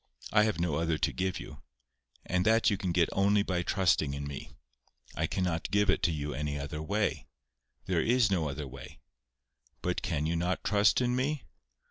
I have no other to give you. And that you can get only by trusting in me. I cannot give it you any other way. There is no other way. But can you not trust in me?